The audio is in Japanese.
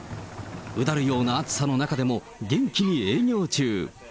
うだるような暑さの中でも元気に営業中。